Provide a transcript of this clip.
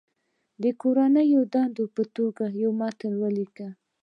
د کورنۍ دندې په توګه یو متن ولیکئ.